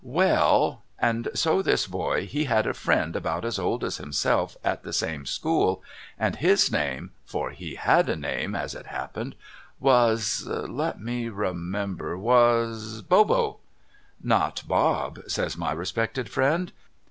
' Well ! And so this boy, he had a friend about as old as himself at the same school, and his name (for He /lada name, as it happened) was — let me remember — was Bobbo.' ' Not Bob,' says my respected friend.